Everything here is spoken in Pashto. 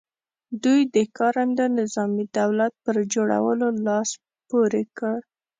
دوی د کارنده نظامي دولت پر جوړولو لاس پ ورې کړ.